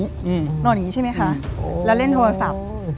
นอนอย่างงี้ใช่ไหมคะแล้วเล่นโทรศัพท์อืม